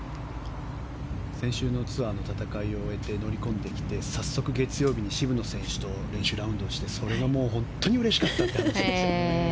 先週のツアーの戦いを終えて乗り込んできて早速、月曜日に渋野選手と練習ラウンドをして、それが本当にうれしかったそうです。